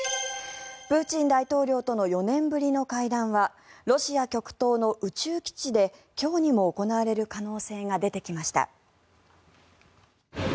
プーチン大統領との４年ぶりの会談はロシア極東の宇宙基地で今日にも行われる可能性が出てきました。